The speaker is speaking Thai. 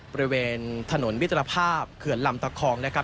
บริเวณถนนมิตรภาพเขื่อนลำตะคองนะครับ